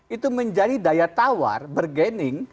itu menjadi daya tawar bergening